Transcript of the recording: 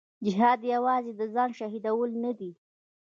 جهاد یوازې د ځان شهیدول نه دي.